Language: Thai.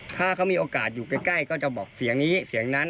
ถ้าเขามีโอกาสอยู่ใกล้ก็จะบอกเสียงนี้เสียงนั้น